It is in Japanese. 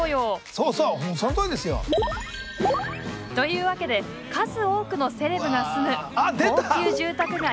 そうそうそのとおりですよ！というわけで数多くのセレブが住む高級住宅街